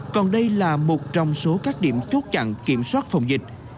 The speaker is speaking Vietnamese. còn đây là một trong số các điểm chốt chặn kiểm soát phòng dịch